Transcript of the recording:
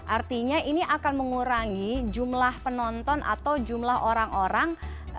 artinya ini akan mengurangi jumlah penonton atau jumlah orang orang